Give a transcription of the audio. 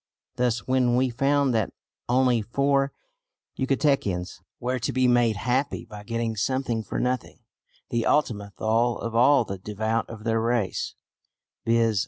Thus when we found that only four Yucatecans were to be made happy by getting something for nothing (the Ultima Thule of all the devout of their race), viz.